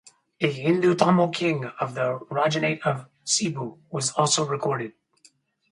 A Hindu Tamil King of the Rajahnate of Cebu was also recorded.